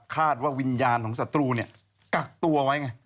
คาดว่าวิญญาณของศัตรูกักตัวไว้ไง